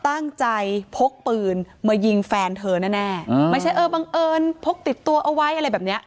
ตั้งใจพกปืนมายิงแฟนเธอแน่ไม่ใช่เออบังเอิญพกติดตัวเอาไว้อะไรแบบเนี้ย